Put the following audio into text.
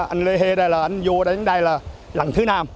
anh lê hê đây là anh vô đến đây là lần thứ năm